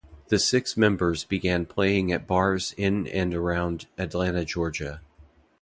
The six members began playing at bars in and around Atlanta, Georgia.